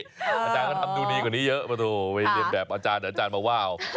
อาจารย์ก็ทำดูดีกว่านี้เยอะโอ้โธ่เดี๋ยวอาจารย์มาว่าว